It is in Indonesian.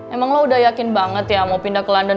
emang lo udah yakin banget ya mau pindah ke london